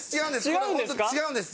これホント違うんです。